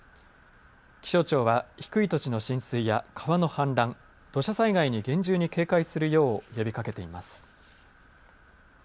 気象庁は、低い土地の浸水や川の氾濫、土砂災害に厳重に警戒するよう呼びかけています。